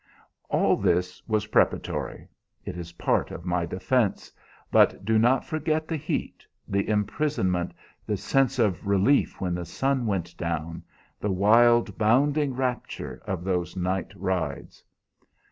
"All this was preparatory. It is part of my defense; but do not forget the heat, the imprisonment, the sense of relief when the sun went down, the wild, bounding rapture of those night rides.